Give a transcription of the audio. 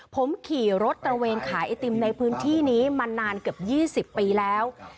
ผมขี่รถตระเวนขายไอติมในพื้นที่นี้มานานเกือบ๒๐ปีแล้ว